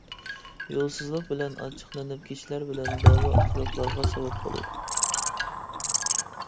يولسىزلىق بىلەن ئاچچىقلىنىپ، كىشىلەر بىلەن دەۋا، ئىختىلاپلارغا سەۋەب بولىدۇ.